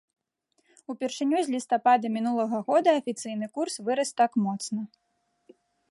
Упершыню з лістапада мінулага года афіцыйны курс вырас так моцна.